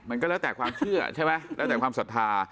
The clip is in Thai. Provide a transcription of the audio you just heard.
มันก็แล้วแต่ความเชื่อใช่ไหมแล้วแต่ความศรัทธา